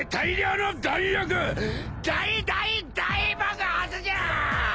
大大大爆発じゃ！